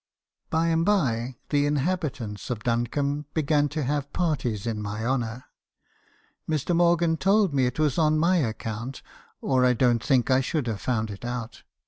"By and by the inhabitants of Duncombe began to have parties in my honour. Mr. Morgan told me it was on my ac count, or I don't think I should have found it out.